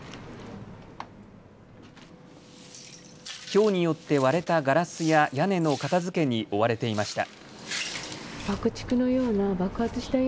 ひょうによって割れたガラスや屋根の片づけに追われていました。